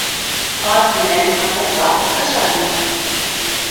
Ат менән ҡатынға ышанма.